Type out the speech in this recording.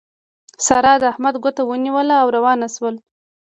سارا د احمد ګوته ونيوله او روان شول.